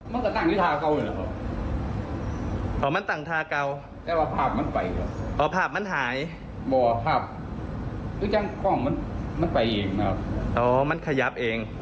อ๋อหุยดูพี่เดี๋ยวหุยดูพี่ก็เลยไปเห็นที่นี่อ่ะกอง